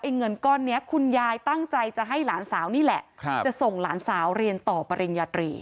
เงินก้อนนี้คุณยายตั้งใจจะให้หลานสาวนี่แหละจะส่งหลานสาวเรียนต่อปริญญาตรี